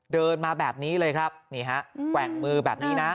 เดินมาแบบนี้เลยครับนี่ฮะแกว่งมือแบบนี้นะ